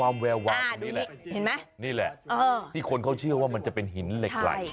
อ้าวนี่แหละที่คนเขาเชื่อว่าจะเป็นหินเหล็กไหลดิ